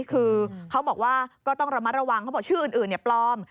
คือเขาบอกว่าก็ต้องระมัดระวังเขาบอกชื่ออื่นปลอม